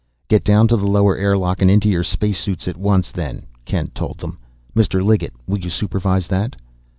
"Get down to the lower airlock and into your space suits at once, then," Kent told them. "Mr. Liggett, will you supervise that?"